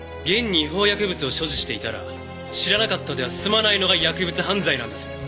現に違法薬物を所持していたら知らなかったでは済まないのが薬物犯罪なんです。